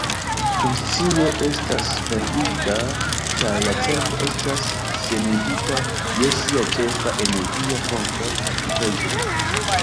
Konscio estas perdita ĉar la cerbo estas senigita je sia ĉefa energia fonto, glukozo.